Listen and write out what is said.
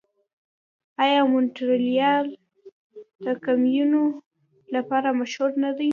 آیا مونټریال د ګیمونو لپاره مشهور نه دی؟